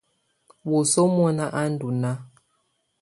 Wǝ́suǝ mɔ̀na á ndɔ̀ nàà.